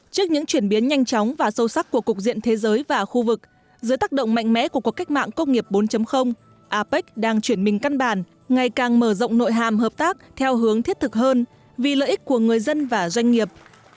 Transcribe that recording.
trước những chuyển biến nhanh chóng và sâu sắc của cục diện thế giới và khu vực giữa tác động mạnh mẽ của cuộc cách mạng công nghiệp bốn apec đang chuyển mình căn bản ngày càng mở rộng nội hàm hợp tác theo hướng thiết thực hơn vì lợi ích của người dân và doanh nghiệp